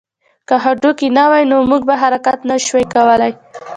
که هډوکي نه وی نو موږ به حرکت نه شوای کولی